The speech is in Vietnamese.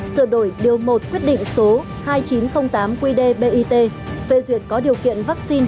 sửa đổi điều một quyết định số hai nghìn chín trăm linh tám qdbit phê duyệt có điều kiện vaccine